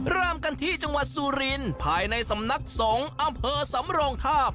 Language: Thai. เริ่มกันที่จังหวัดสุรินภายในสำนักสงฆ์อำเภอสำโรงทาบ